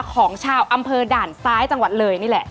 ของชาวอำเภอด่านซ้ายจังหวัดเลยนี่แหละ